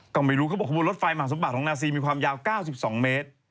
ก็ไม่รู้เขาบอกขบวนรถไฟมหาสมบัติของนาซีมีความยาว๙๒เมตร